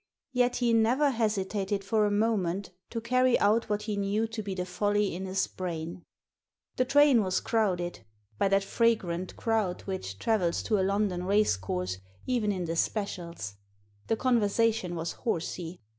Yet he never hesitated for a moment to carry out what he knew to be the folly in his brain. The train was crowded — ^by that fragrant crowd which travels to a London racecourse, even in the specials. The conversation was horsey.